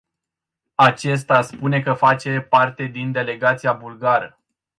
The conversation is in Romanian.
Acesta spune că face parte din delegația bulgară.